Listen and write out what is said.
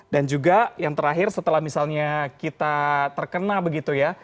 dan juga yang terakhir setelah misalnya kita terkena begitu ya